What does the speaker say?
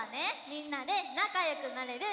みんなでなかよくなれる